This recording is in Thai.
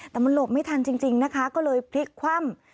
แต่มันหลบไม่ทันจริงนะคะก็เลยพลิกคว่ำ